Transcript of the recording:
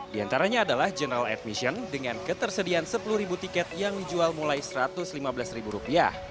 di antaranya adalah general admission dengan ketersediaan sepuluh tiket yang dijual mulai rp satu ratus lima belas